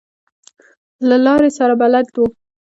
له لارې سره ډېر بلد و.